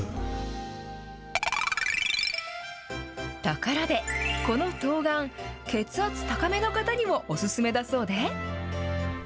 ところで、このとうがん、血圧高めの方にもお勧めだそうで。